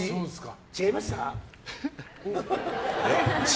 違いました？